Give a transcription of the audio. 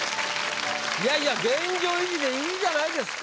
いやいや現状維持でいいじゃないですか？